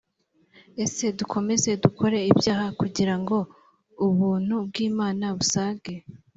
Ese dukomeze dukore ibyaha kugira ngo Ubuntu bw’Imana busage